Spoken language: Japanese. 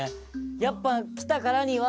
やっぱ来たからには。